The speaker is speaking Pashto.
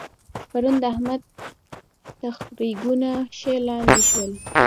پرون د احمد تخرګونه ښه لانده شول.